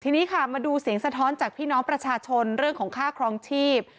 ทีนี้ค่ะมาดูเสียงสะท้อนจากพี่น้องประชาชนเรื่องของค่าครองชีพ